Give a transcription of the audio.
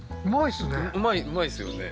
うまいですね。